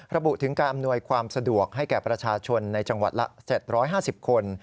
ระบุถึงการอำนวยความสะดวกให้แก่ประชาชนในจังหวัดละ๗๕๐คน